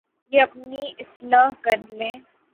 کہ اپنی اصلاح کر لیں